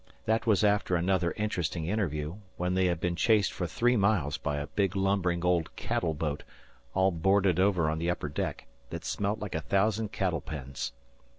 That was after another interesting interview, when they had been chased for three miles by a big lumbering old cattle boat, all boarded over on the upper deck, that smelt like a thousand cattle pens.